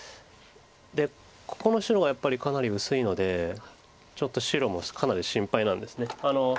でここの白がやっぱりかなり薄いのでちょっと白もかなり心配なんです。